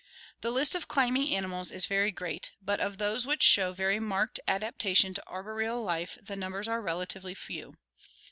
The list of climbing animals is very great, but of those which show very marked adaptation to arboreal life the numbers are relatively few.